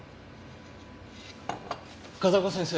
風丘先生